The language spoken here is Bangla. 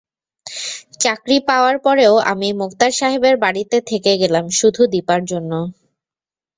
চাকরি পাওয়ার পরেও আমি মোক্তার সাহেবের বাড়িতে থেকে গেলাম শুধু দিপার জন্য।